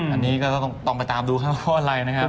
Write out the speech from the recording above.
อันนี้ก็ต้องไปตามดูครับเพราะอะไรนะครับ